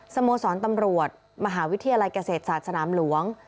สโมสรตำรวจมหาวิทยาลัยเกษตรศาสตร์สนามหลวง